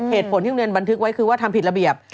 เหตุผลที่โรงเรียนบันทึกไว้คือว่าทำผิดระเบียบ